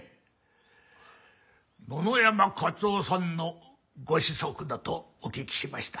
野々山勝夫さんのご子息だとお聞きしました。